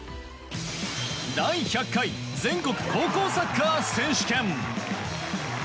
第１００回全国高校サッカー選手権。